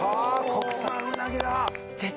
国産うなぎだ！